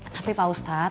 tapi pak ustadz